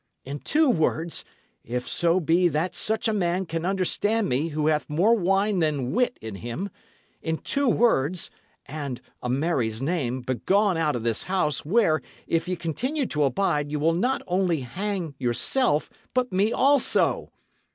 "In two words if so be that such a man can understand me who hath more wine than wit in him in two words, and, a Mary's name, begone out of this house, where, if ye continue to abide, ye will not only hang yourself, but me also!